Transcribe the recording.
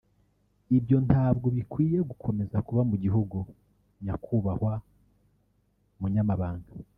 ibyo ntabwo bikwiriye gukomeza kuba mu gihugu nyakubahwa munyamabanga”